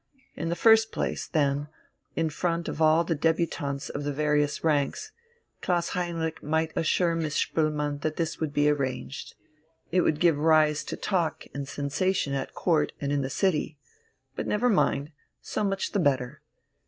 In the first place, then, in front of all the débutantes of the various ranks Klaus Heinrich might assure Miss Spoelmann that this would be arranged. It would give rise to talk and sensation at Court and in the city. But never mind, so much the better.